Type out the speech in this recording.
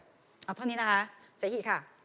อ๋อท่านนี้นะคะเสฮิค่ะ